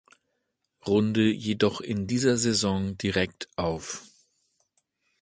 Runde jedoch in dieser Saison direkt auf.